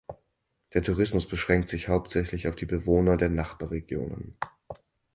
Der Tourismus beschränkt sich hauptsächlich auf die Bewohner der Nachbarregionen.